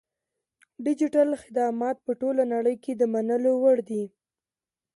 ډیجیټل خدمات په ټوله نړۍ کې د منلو وړ دي.